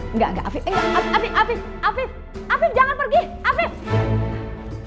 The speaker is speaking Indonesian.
enggak enggak afif afif afif afif afif jangan pergi afif